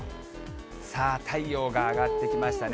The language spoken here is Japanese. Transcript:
さあ、太陽が上がってきましたね。